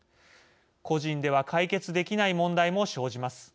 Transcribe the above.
個人では解決できない問題も生じます。